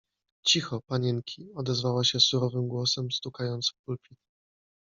— Cicho, panienki! — odezwała się surowym głosem, stukając w pulpit.